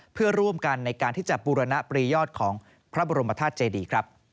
เพื่อร่วมกันในการที่จะบูรณปรียอดของพระบรมธาตุเจดีครับ